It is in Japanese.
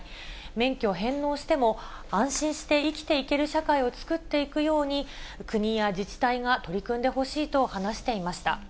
免許返納しても安心して生きていける社会を作っていくように、国や自治体が取り組んでほしいと話していました。